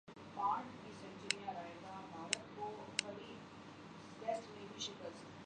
میں نے کل بال کٹوائے